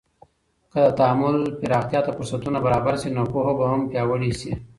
که د تعامل پراختیا ته فرصتونه برابر سي، نو پوهه به هم پیاوړې سي.